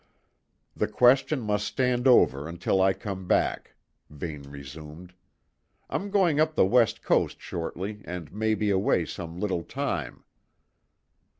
"The question must stand over until I come back," Vane resumed. "I'm going up the west coast shortly and may be away some little time."